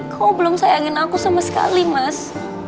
kau belum sayangin aku sama sekali mas